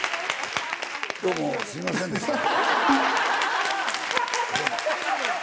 どうもすいませんでした。